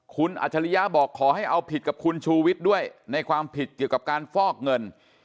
คุณอัจฉริยะบอกขอให้เอาผิดกับคุณชูวิทย์ด้วยในความผิดเกี่ยวกับการฟอกเงิน